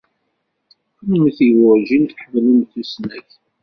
Kennemti werǧin tḥemmlemt tusnakt.